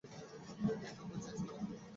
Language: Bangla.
এতটুকুই চেয়েছিলাম আমি।